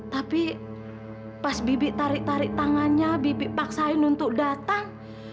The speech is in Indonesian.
tapi pas bibit tarik tarik tangannya bibit paksain untuk datang